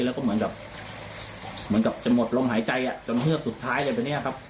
แล้วก็เหมือนกับจะหมดลมหายใจจนเหลือสุดท้ายจะเป็นเนี่ยครับ